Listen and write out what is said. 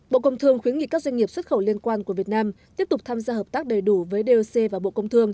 bộ công thương khuyến nghị các doanh nghiệp xuất khẩu liên quan của việt nam tiếp tục tham gia hợp tác đầy đủ với doc và bộ công thương